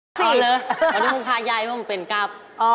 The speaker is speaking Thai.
เอาเลยเพราะมันเป็นข่าวใหญ่เพราะมันเป็นกลับ